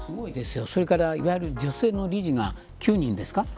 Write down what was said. それから女性の理事が９人ですか。